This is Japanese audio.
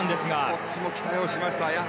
こっちも期待をしました。